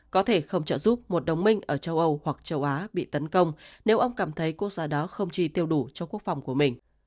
có thể không trợ giúp một đồng minh ở châu âu hoặc châu á bị tấn công nếu ông cảm thấy quốc gia đó không chi tiêu đủ cho quốc phòng của mình